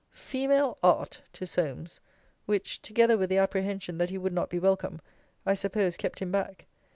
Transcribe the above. Female Art! to Solmes; which, together with the apprehension that he would not be welcome, I suppose kept him back.